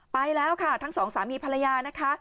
ไปแล้วค่ะทั้งสองสามีภรรยานะคะ